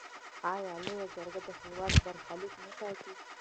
آیا لویه جرګه د هیواد برخلیک نه ټاکي؟